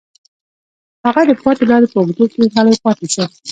هغه د پاتې لارې په اوږدو کې غلی پاتې شو